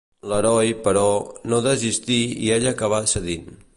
L'heroi, però, no desistí i ella acabà cedint.